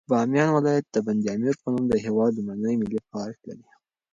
بامیان ولایت د بند امیر په نوم د هېواد لومړنی ملي پارک لري.